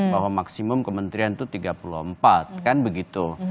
bahwa maksimum kementerian itu tiga puluh empat kan begitu